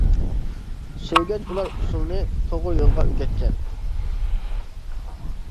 سۆيگەچ ئۇلار ئۇسسۇلنى، توغرا يولغا ئۆگەتكەن.